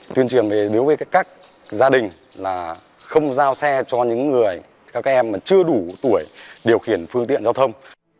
tuyên truyền về đối với các gia đình là không giao xe cho những người các em mà chưa đủ tuổi điều khiển phương tiện giao thông